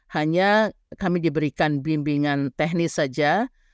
hanya kami diberikan bimbingan teknis saja